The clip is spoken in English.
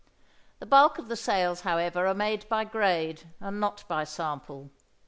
The bulk of the sales however are made by grade and not by sample.